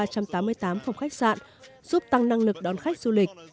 với hai mươi một ba trăm tám mươi tám phòng khách sạn giúp tăng năng lực đón khách du lịch